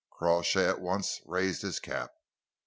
Crawshay at once raised his cap.